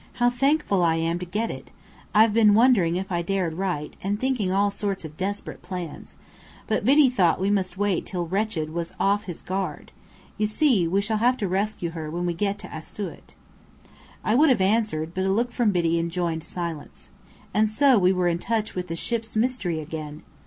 How thankful I am to get it! I've been wondering if I dared write, and thinking of all sorts of desperate plans. But, Biddy thought we must wait till Wretched was off his guard. You see, we shall have to rescue her when we get to Asiut." I would have answered, but a look from Biddy enjoined silence. And so we were in touch with the "Ship's Mystery" again!